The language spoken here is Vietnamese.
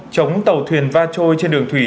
chống tàu thuyền va trôi trên đường thủy